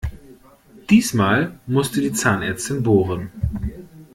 Diesmal musste die Zahnärztin bohren.